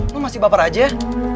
lu masih bapar aja ya